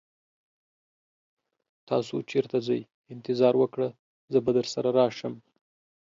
تاسو چیرته ځئ؟ انتظار وکړه، زه به درسره راشم.